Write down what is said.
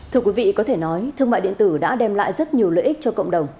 thưa quý vị có thể nói thương mại điện tử đã đem lại rất nhiều lợi ích cho cộng đồng